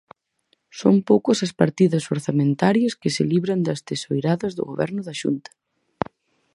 Son poucas as partidas orzamentarias que se libran das tesoiradas do Goberno da Xunta.